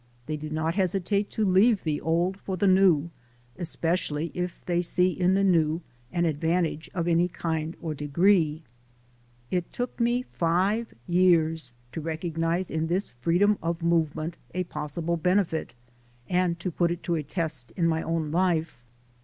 They do not hesitate to leave the old for the new, especially if they see in the new an advan tage of any kind or degree. It took me five years to recognize in this freedom of movement a possible benefit, and to put it to a test in my own life.